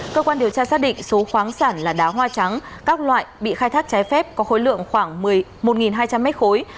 cơ quan điều tra xác định số khoáng sản là đá hoa trắng các loại bị khai thác trái phép có khối lượng khoảng một mươi một hai trăm linh mét khối